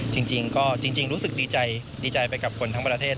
จริงรู้สึกรีดใจกับคนทั้งประเทศ